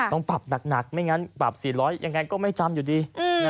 ต้องปรับหนักไม่งั้นปรับ๔๐๐ยังไงก็ไม่จำอยู่ดี